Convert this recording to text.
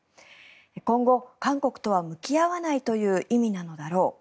今後、韓国とは向き合わないという意味なのだろう